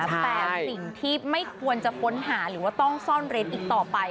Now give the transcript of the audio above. แต่สิ่งที่ไม่ควรจะค้นหาหรือว่าต้องซ่อนเร้นอีกต่อไป